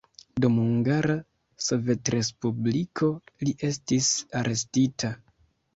Dum Hungara Sovetrespubliko li estis arestita.